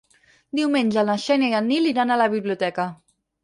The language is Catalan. Diumenge na Xènia i en Nil iran a la biblioteca.